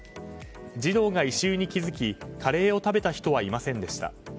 児童が異臭に気づきカレーを食べた人はいませんでした。